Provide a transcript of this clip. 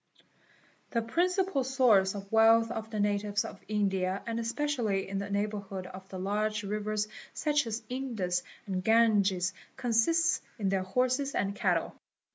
'The principal source of wealth of the natives of India and especially | in the neighbourhood of the large rivers such as the Indus and the Ganges consists in their horses and cattle.